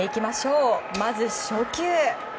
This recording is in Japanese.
まず、初球。